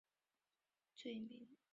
所有被告均面临上述三项罪名。